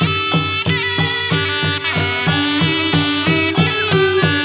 มีชื่อว่าโนราตัวอ่อนครับ